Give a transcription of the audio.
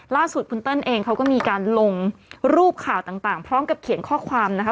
ล่าสุดคุณเติ้ลเองเขาก็มีการลงรูปข่าวต่างพร้อมกับเขียนข้อความนะคะ